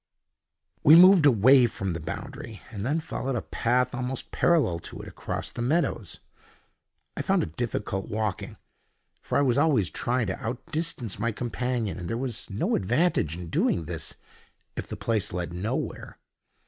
We moved away from the boundary, and then followed a path almost parallel to it, across the meadows. I found it difficult walking, for I was always trying to out distance my companion, and there was no advantage in doing this if the place led nowhere.